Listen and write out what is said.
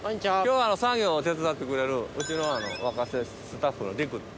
今日作業を手伝ってくれるうちの若手スタッフの里玖。